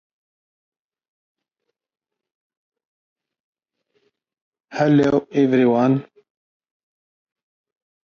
Tremor occurring in the legs might be diagnosable as orthostatic tremor.